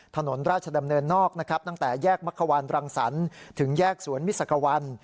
ถนนราชดำเนินนอกนะครับตั้งแต่แยกมักขวานรังสรรค์ถึงแยกสวนมิสักวัน